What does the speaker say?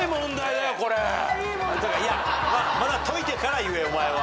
いや解いてから言えお前は。